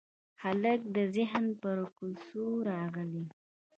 هلک د ذهن پر کوڅو راغلی